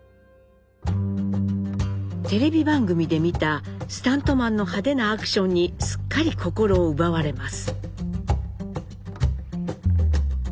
テレビ番組で見たスタントマンの派手なアクションにすっかり心を奪われます。